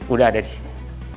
udah ada disini